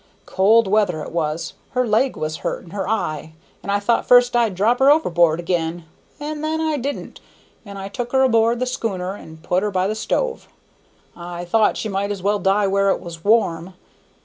Cold weather it was. Her leg was hurt, and her eye, and I thought first I'd drop her overboard again, and then I didn't, and I took her aboard the schooner and put her by the stove. I thought she might as well die where it was warm.